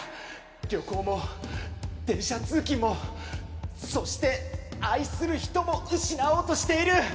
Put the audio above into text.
旅行も電車通勤もそして愛する人も失おうとしている！